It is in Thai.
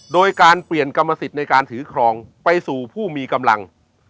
โดยการเปลี่ยนกรรมสิทธิ์ในการถือครองไปสู่ผู้มีกำลัง